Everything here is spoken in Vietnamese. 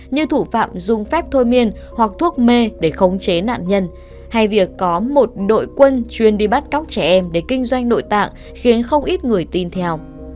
như thủ phạm dùng phép thôi miên hoặc thuốc mê để khống chế nạn nhân hay việc có một đội quân chuyên đi bắt cóc trẻ em để kinh doanh nội tạng khiến không ít người tin theo